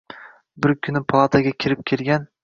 Bir kuni palataga kirib kelgan.